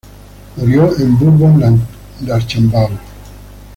Murió en Bourbon-l'Archambault.